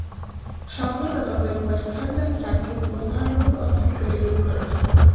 هغه د غزل پر څنډه ساکت ولاړ او فکر وکړ.